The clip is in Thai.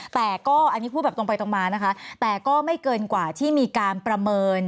แต่ก็อันนี้พูดแบบตรงไปตรงมานะคะแต่ก็ไม่เกินกว่าที่มีการประเมิน